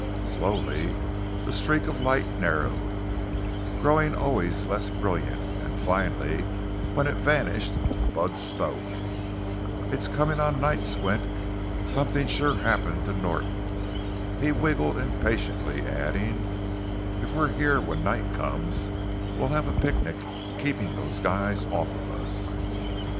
Slowly the streak of light narrowed, growing always less brilliant, and finally, when it vanished, Bud spoke: "It's comin' on night, Squint. Somethin's sure happened to Norton." He wriggled impatiently, adding: "If we're here when night comes we'll have a picnic keepin' them guys off of us."